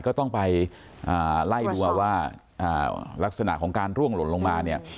ก็ต้องไปไล่ดูเอาว่าลักษณะของการร่วงหล่นลงมาเนี่ย